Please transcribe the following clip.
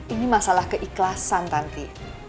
ini masalah keikhlasan tanti